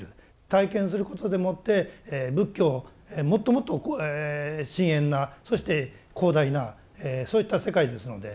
体験することでもって仏教をもっともっとこう深遠なそして広大なそういった世界ですので。